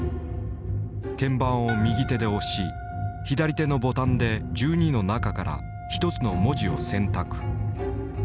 鍵盤を右手で押し左手のボタンで１２の中から１つの文字を選択。